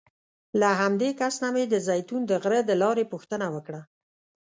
له همدې کس نه مې د زیتون د غره د لارې پوښتنه وکړه.